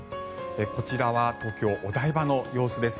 こちらは東京・お台場の様子です。